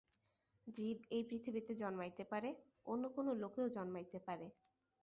জীব এই পৃথিবীতে জন্মাইতে পারে, অন্য কোন লোকেও জন্মাইতে পারে।